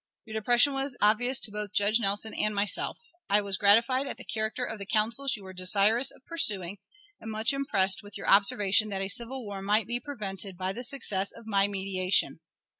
Your depression was obvious to both Judge Nelson and myself. I was gratified at the character of the counsels you were desirous of pursuing, and much impressed with your observation that a civil war might be prevented by the success of my mediation.